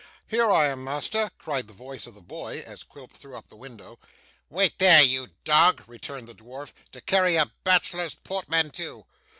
'Here I am, master,' cried the voice of the boy, as Quilp threw up the window. 'Wait there, you dog,' returned the dwarf, 'to carry a bachelor's portmanteau.